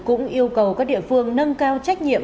cũng yêu cầu các địa phương nâng cao trách nhiệm